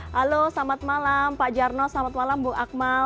halo selamat malam pak jarno selamat malam bu akmal